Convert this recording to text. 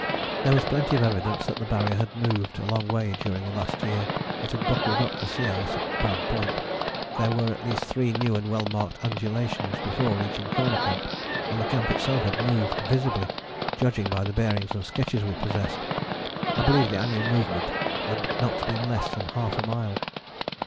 " There was plenty of evidence that the Barrier had moved a long way during the last year. It had buckled up the sea ice at Pram Point; there were at least three new and well marked undulations before reaching Corner Camp; and the camp itself had moved visibly, judged by the bearings and sketches we possessed. I believe the annual movement had not been less than half a mile.